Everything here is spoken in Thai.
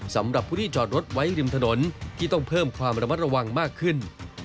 สำหรับผู้ที่จอดรถไว้ริมถนนที่ต้องเพิ่มความระมัดระวังมากขึ้น